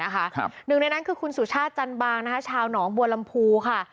หนึ่งในนั้นคือคุณสุชาติจันบางชาวหนองบัวลำพูค่ะ